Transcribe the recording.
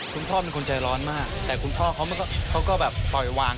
คุณพ่อเป็นคนใจร้อนมากแต่คุณพ่อเขาก็แบบปล่อยวาง